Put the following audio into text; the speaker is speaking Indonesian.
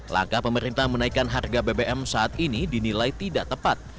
langkah pemerintah menaikkan harga bbm saat ini dinilai tidak tepat